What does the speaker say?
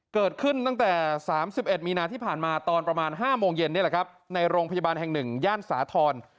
เกิดขึ้นตั้งแต่๓๑มีนาที่ผ่านมาตอนประมาณ๕โมงเย็นนี่แหละครับในโรงพยาบาลแห่ง๑ย่านสาธรณ์